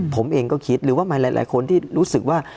ผมเองก็คิดหรือว่าหลายคนที่รู้สึกว่า